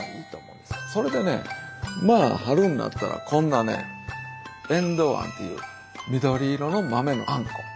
それでねまあ春になったらこんなねえんどうあんという緑色の豆のあんこ。